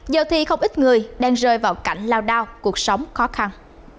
giờ thì không ít người đang rơi vào cảnh lao đao cuộc sống khó khăn